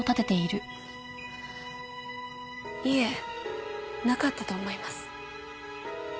いえなかったと思います。